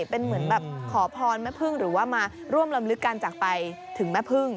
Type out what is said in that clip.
เป็นเหมือนแบบขอพรแม่พึ่งหรือว่ามาร่วมลำลึกการจักรไปถึงแม่พึ่ง